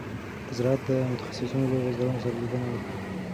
د زراعت متخصصینو له بزګرانو سره لیدنه وکړه.